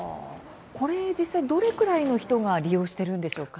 これは実際どれぐらいの人が利用しているんでしょうか。